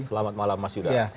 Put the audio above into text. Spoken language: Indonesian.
selamat malam mas yudha